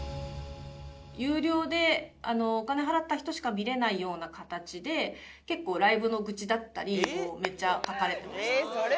有料でお金払った人しか見れないような形で結構ライブの愚痴だったりをめっちゃ書かれてました。